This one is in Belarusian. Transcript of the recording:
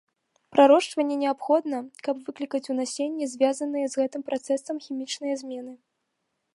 Прарошчванне неабходна, каб выклікаць у насенні звязаныя з гэтым працэсам хімічныя змены.